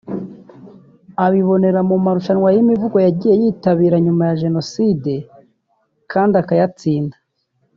abibonera mu marushanwa y’imivugo yagiye yitabira nyuma ya Jenoside kandi akayatsinda